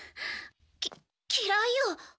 き嫌いよ。